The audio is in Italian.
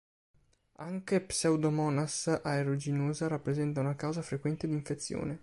Anche Pseudomonas aeruginosa rappresenta una causa frequente di infezione.